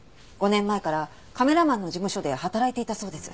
５年前からカメラマンの事務所で働いていたそうです。